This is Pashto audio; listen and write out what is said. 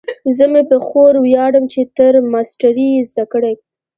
زه مې په خور ویاړم چې تر ماسټرۍ یې زده کړې کړي